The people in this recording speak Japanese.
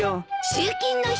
集金の人